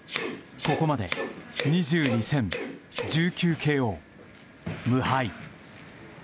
ここまで２２戦１９ＫＯ無敗。